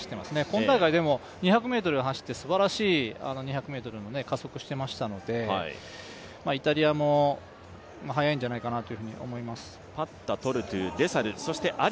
今大会は２００ｍ走ってすばらしい加速していましたのでイタリアも速いんじゃないかなと思います。